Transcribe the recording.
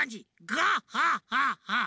ガッハッハッハッハ！